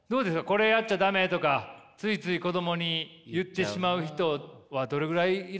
これやっちゃダメとかついつい子供に言ってしまう人はどれぐらいいらっしゃいます？